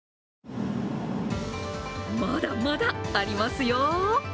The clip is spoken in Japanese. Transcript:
まだまだありますよ。